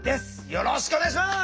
よろしくお願いします。